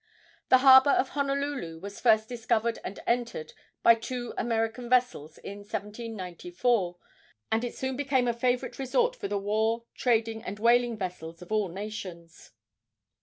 The harbor of Honolulu was first discovered and entered by two American vessels in 1794, and it soon became a favorite resort for the war, trading and whaling vessels of all nations.